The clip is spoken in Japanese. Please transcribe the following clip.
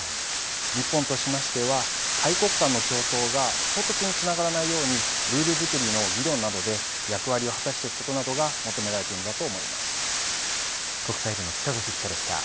日本としましては、大国間の競争が衝突につながらないように、ルール作りの議論などで役割を果たしていくことなどが求められているのだと思います。